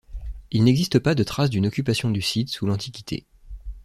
Il n'existe pas de traces d'une occupation du site sous l'Antiquité.